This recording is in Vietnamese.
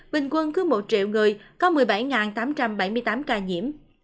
bình quân cứ một triệu người có một mươi bảy tám trăm bảy mươi tám ca nhiễm